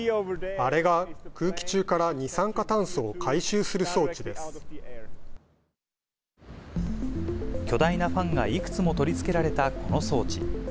あれが空気中から二酸化炭素巨大なファンがいくつも取り付けられたこの装置。